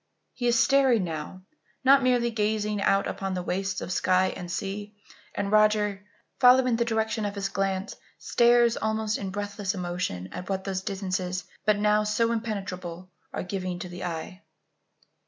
He is staring now not merely gazing out upon the wastes of sky and sea; and Roger, following the direction of his glance, stares also in breathless emotion at what those distances, but now so impenetrable, are giving to the eye.